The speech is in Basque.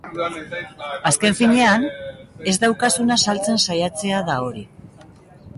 Azken finean, ez daukazuna saltzen saiatzea da hori.